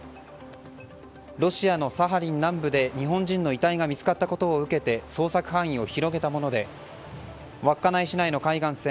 ロシアのサハリン南部で日本人の遺体が見つかったことを受けて捜索範囲を広げたもので稚内市内の海岸線